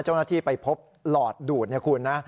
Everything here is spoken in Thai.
เจ้าหน้าที่ไปพบหลอดดูดเนี่ยคุณนะ